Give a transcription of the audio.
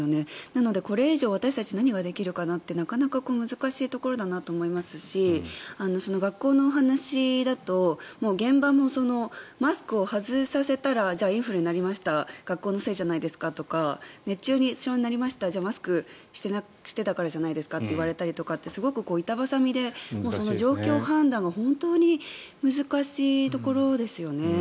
なのでこれ以上私たちが何ができるかってなかなか難しいところだなと思いますし学校のお話だと現場もマスクを外させたらじゃあ、インフルになりました学校のせいじゃないですかとか熱中症になりましたじゃあ、マスクをしてたからじゃないですかって言われたりとかってすごく板挟みで状況判断が本当に難しいところですよね。